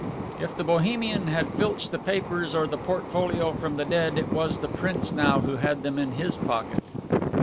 If the Bohemian had filched the papers or the portfolio from the dead, it was the prince now who had them in his pocket.